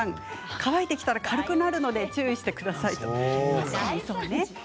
乾いてくると軽くなるので注意してください。